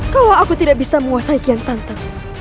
kalau aku tidak bisa menguasai kian santan